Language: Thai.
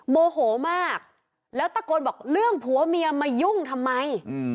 โมโหมากแล้วตะโกนบอกเรื่องผัวเมียมายุ่งทำไม